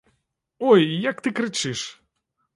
Ой, як ты крычыш!